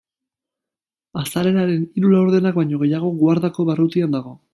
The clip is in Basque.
Azaleraren hiru laurdenak baino gehiago Guardako barrutian dago.